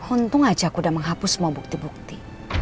untung aja aku udah menghapus semua bukti bukti